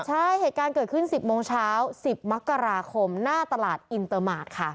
ใช่เหตุการณ์เกิดขึ้น๑๐โมงเช้า๑๐มกราคมหน้าตลาดอินเตอร์มาร์ทค่ะ